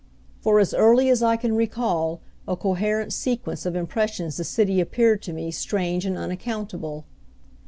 For as early as I can recall a coherent sequence of impressions the city appeared to me strange and unaccountable.